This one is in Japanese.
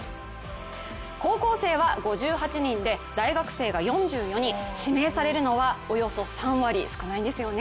高校生は５８人で大学生が４４人、指名されるのはおよそ３割、少ないんですよね。